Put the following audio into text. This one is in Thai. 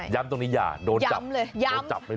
ย้ำตรงนี้อย่าโดนจับ